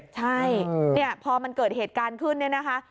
ใช่เนี่ยพอมันเกิดเหตุการณ์ขึ้นเนี่ยนะคะ